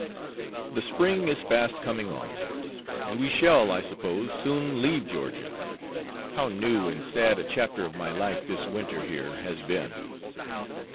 The spring is fast coming on; and we shall, I suppose, soon leave Georgia. How new and sad a chapter of my life this winter here has been!